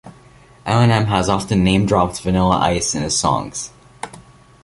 Eminem has often name-dropped Vanilla Ice in his songs.